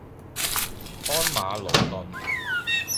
鞍馬勞頓